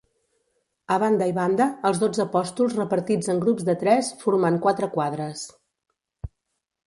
A banda i banda, els dotze apòstols repartits en grups de tres, formant quatre quadres.